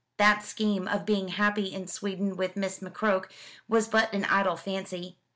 That scheme of being happy in Sweden with Miss McCroke was but an idle fancy.